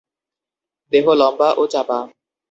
দেহ লম্বা ও চাপা।